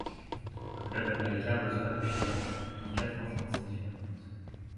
Le Club América reçoit le Chivas dans quatre enceintes différentes.